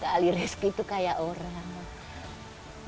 saya ingin sekali reski itu seperti orang